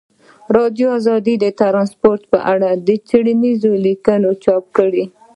ازادي راډیو د ترانسپورټ په اړه څېړنیزې لیکنې چاپ کړي.